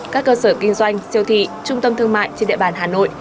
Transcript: các cơ sở kinh doanh siêu thị trung tâm thương mại trên địa bàn hà nội